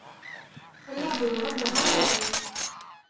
فَلْيَعْبُدُوا رَبَّ هَٰذَا الْبَيْتِ